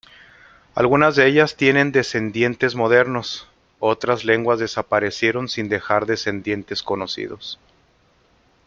Algunas de ellas tienen descendientes modernos, otras lenguas desaparecieron sin dejar descendientes conocidos.